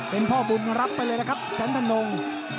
เป็นพ่อบุญรับไปเลยนะครับแสนทนง